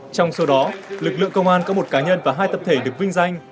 trong số đó lực lượng công an có một cá nhân và hai tập thể được vinh danh